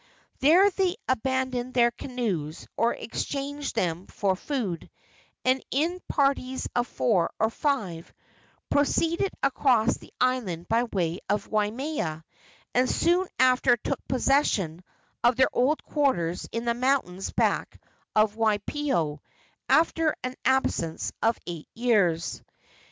There they abandoned their canoes, or exchanged them for food, and in parties of four or five proceeded across the island by way of Waimea, and soon after took possession of their old quarters in the mountains back of Waipio, after an absence of eight years.